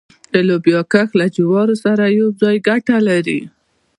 د لوبیا کښت له جوارو سره یوځای ګټه لري؟